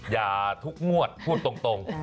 อย่าทุกมวดพูดตรง